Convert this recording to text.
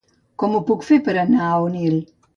Com ho puc fer per anar a Onil?